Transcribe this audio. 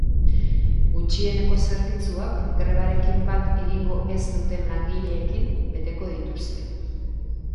Gutxieneko zerbitzuak grebarekin bat egingo ez duten langileekin beteko dituzte.